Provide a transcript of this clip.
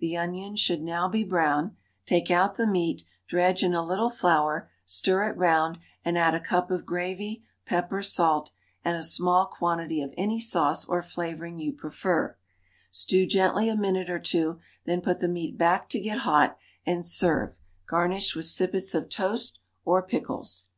The onions should now be brown; take out the meat, dredge in a little flour, stir it round, and add a cup of gravy, pepper, salt, and a small quantity of any sauce or flavoring you prefer; stew gently a minute or two, then put the meat back to get hot, and serve; garnish with sippets of toast, or pickles.